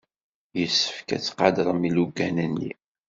Yessefk ad tqadrem ilugan-nni.